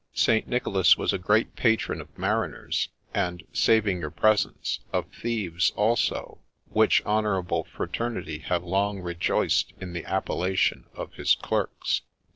St. Nicholas was a great patron of Mariners, and, saving your presence — of Thieves also, which honourable fraternity have long rejoiced in the appellation of his ' Clerks.'